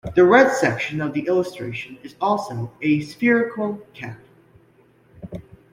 The red section of the illustration is also a spherical cap.